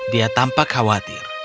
dia tampak khawatir